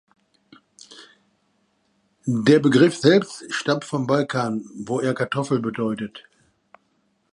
Der Begriff selbst stammt vom Balkan, wo er „Kartoffel“ bedeutet.